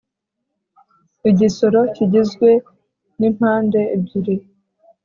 igisoro kigizwe n’impande ebyiri